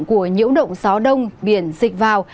của nhiễu động gió đông biển dịch vào